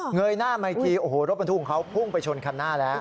เยยหน้ามาอีกทีโอ้โหรถบรรทุกของเขาพุ่งไปชนคันหน้าแล้ว